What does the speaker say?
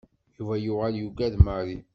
Yuba yuɣal yugad Mary.